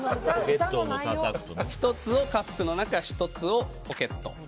１つをカップの中１つをポケット。